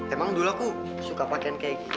emang dulu aku suka pake kayak gini